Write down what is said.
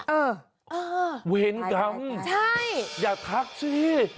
โวเฒนกรรมอย่าทักสิไป